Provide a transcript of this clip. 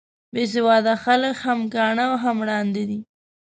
بې سواده خلک هم کاڼه او هم ړانده دي.